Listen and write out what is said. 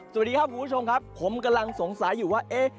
สวัสดีครับคุณผู้ชมครับผมกำลังสงสัยอยู่ว่าเอ๊ะ